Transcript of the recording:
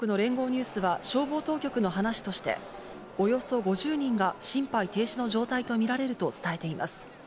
ニュースは消防当局の話として、およそ５０人が心肺停止の状態と見られると伝えています。